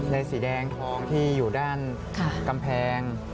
ในสีแดงในองค์ท้องที่อยู่ด้านกำแพง